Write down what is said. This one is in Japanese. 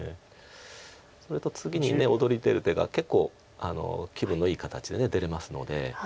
それと次に躍り出る手が結構気分のいい形で出れますので。